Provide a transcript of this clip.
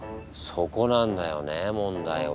そこなんだよね問題は。